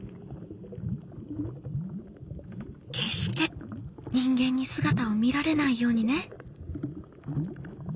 「決して人間に姿を見られないようにね」。